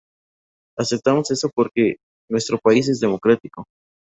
Aceptamos eso porque nuestro país es democrático".